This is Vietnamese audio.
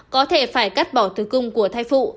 có thể phải cắt bỏ tử cung của thai phụ